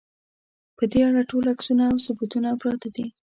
په دې اړه ټول عکسونه او ثبوتونه پراته دي.